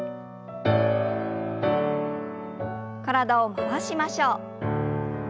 体を回しましょう。